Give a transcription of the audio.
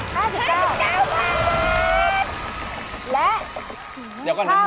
ต้มแพงกว่า๕๙บาทนะครับ